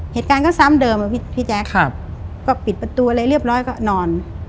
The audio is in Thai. เหตุการณ์ก็ซ้ำเดิมอะพี่พี่แจ๊คครับก็ปิดประตูอะไรเรียบร้อยก็นอน